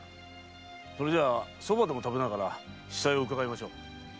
それじゃあ蕎麦でも食べながら子細を伺いましょう。